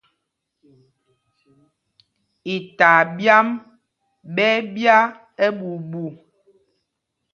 Itaa ɓyǎm ɓɛ́ ɛ́ ɓya ɛɓuu ɓuu.